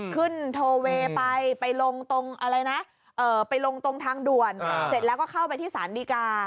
ขึ้นทอเวย์ไปไปลงตรงทางด่วนเสร็จแล้วก็เข้าไปที่สานดีกา